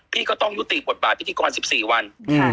พี่ก็ต้องยุติบทบาทพิธีกร๑๔วัน